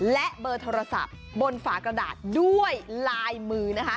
และเบอร์โทรศัพท์บนฝากระดาษด้วยลายมือนะคะ